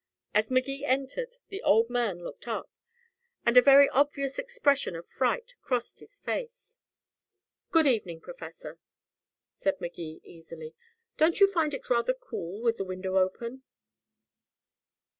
As Magee entered the old man looked up, and a very obvious expression of fright crossed his face. "Good evening, Professor," said Magee easily. "Don't you find it rather cool with the window open?"